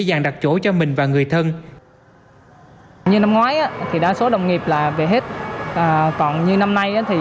dàng đặt chỗ cho mình và người thân như năm ngoái thì đa số đồng nghiệp là về hết còn như năm nay thì